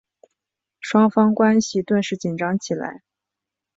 双方关系顿时紧张起来。